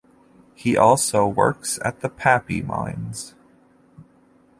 He also works at the Pappy Mines.